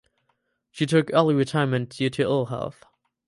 She took early retirement due to ill health.